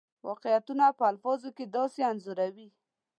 واقعیتونه په الفاظو کې داسې انځوروي.